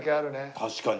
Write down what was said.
確かに。